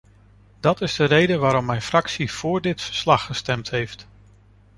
Dat is de reden waarom mijn fractie voor dit verslag gestemd heeft.